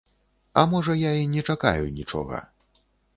А, можа, я і не чакаю нічога.